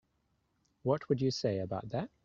What would you say about that?